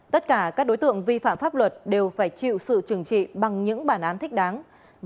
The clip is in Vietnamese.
tất cả các đối tượng vi phạm pháp luật đều phải chịu sự trừng trị bằng những bản án thích đáng